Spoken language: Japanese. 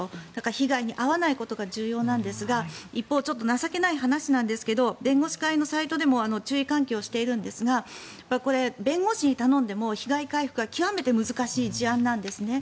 被害に遭わないことが重要なんですが一方、情けない話なんですが弁護士会のサイトでも注意喚起をしているんですがこれ、弁護士に頼んでも被害回復は極めて難しい事案なんですね。